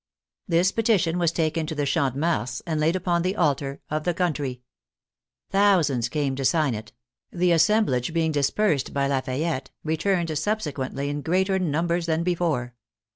This petition was taken to the Champ de Mars and laid upon the " altar of the country." Thou sands came to sign it; the assemblage being dispersed by Lafayette, returned subsequently in greater numbers than before.